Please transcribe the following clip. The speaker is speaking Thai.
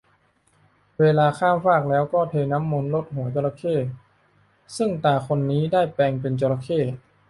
เวลาข้ามฟากแล้วก็เทน้ำมนต์รดหัวจระเข้ ซึ่งตาคนนี้ได้แปลงเป็นจระเข้